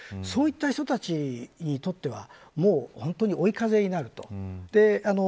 そういった人たちにとっては本当に追い風になる。